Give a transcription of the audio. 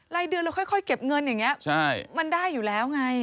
รายเดือนแล้วค่อยเก็บเงินอย่างนี้มันได้อยู่แล้วไง